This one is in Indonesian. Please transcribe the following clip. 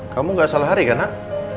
kamu gak salah hari kan nak